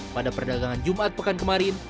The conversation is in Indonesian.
pada perdagangan jumat pekan kemarin